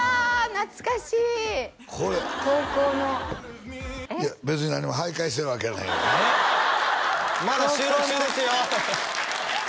懐かしい高校のいや別に何も徘徊してるわけやないよまだ収録中ですよ！